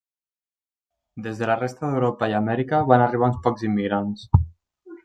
Des de la resta d'Europa i Amèrica van arribar uns pocs immigrants.